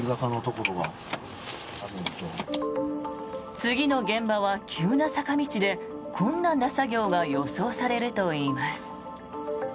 次の現場は急な坂道で困難な作業が予想されるといいます。